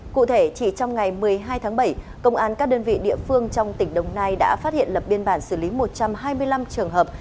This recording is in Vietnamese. cụ thể chỉ trong ngày một mươi hai tháng bảy công an các đơn vị địa phương trong tỉnh đồng nai đã phát hiện lập biên bản xử lý một trăm hai mươi năm trường hợp